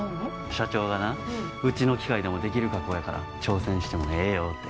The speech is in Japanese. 社長がなうちの機械でもできる加工やから挑戦してもええよって。